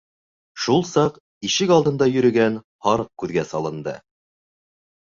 Шул саҡ ишек алдында йөрөгән һарыҡ күҙгә салынды.